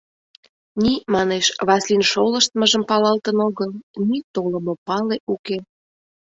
Ни, манеш, Васлин шолыштмыжым палалтын огыл, ни толымо пале уке.